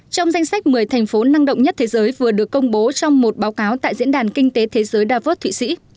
trong danh sách một mươi thành phố năng động nhất thế giới vừa được công bố trong một báo cáo tại diễn đàn kinh tế thế giới davos thụy sĩ